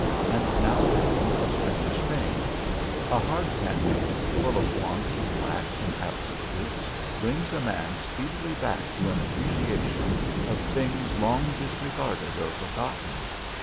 And now happened a strange thing. A hard campaign, full of wants and lacks and absences, brings a man speedily back to an appreciation of things long disregarded or forgotten.